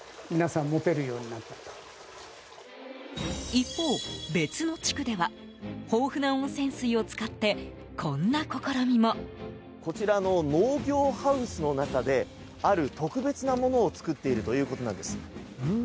一方、別の地区では豊富な温泉水を使ってこんな試みも。こちらの農業ハウスの中である特別なものを作っているということです。